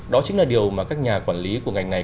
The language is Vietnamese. đó chính là điều mà các nhà quản lý của ngành này